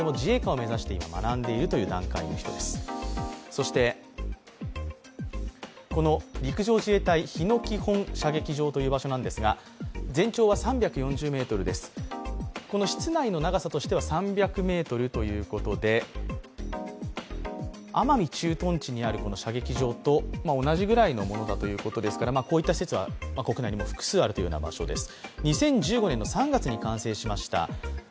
そして、陸上自衛隊・日野基本射撃場という場所なんですが室内の長さとしては３００ｍということで、奄美駐屯地にある射撃場と同じぐらいのものだということですから、こういった施設は国内にも複数あるという場所です。